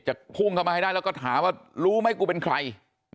พุ่งเข้ามาให้ได้แล้วก็ถามว่ารู้ไหมกูเป็นใคร